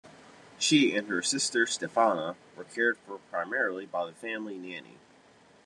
She and her sister Stefana were cared for primarily by the family nanny.